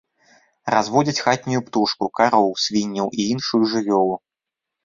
Разводзяць хатнюю птушку, кароў, свінняў і іншую жывёлу.